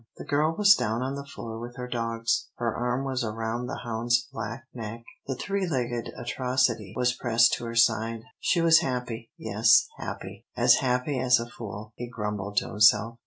The girl was down on the floor with her dogs, her arm was around the hound's black neck, the three legged atrocity was pressed to her side. She was happy, yes, happy "as happy as a fool," he grumbled to himself.